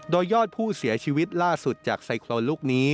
โดยยอดผู้เสียชีวิตล่าสุดจากไซโครนลูกนี้